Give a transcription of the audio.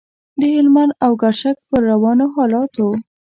د هلمند او ګرشک پر روانو حالاتو.